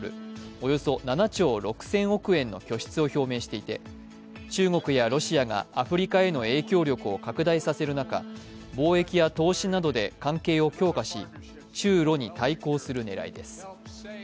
およそ７兆６０００億円の拠出を表明していて中国やロシアがアフリカへの影響力を拡大させる中、貿易や投資などで関係を強化し、中ロに対抗する狙いです。